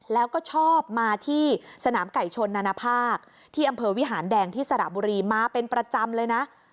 แล้วก็ชอบมาที่สนามไก่ชนนานาภาคที่อำเภอวิหารแดงที่สระบุรีมาเป็นประจำเลยนะ